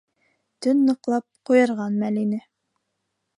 Төн ныҡлап ҡуйырған мәл ине.